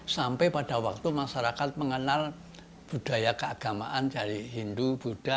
sampai pada waktu masyarakat mengenal budaya keagamaan dari hindu buddha